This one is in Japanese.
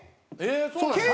えっ！